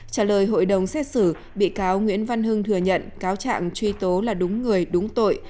trả lời hội đồng xét xử bị cáo nguyễn văn hưng thừa nhận cáo trạng truy tố là đúng người đúng tội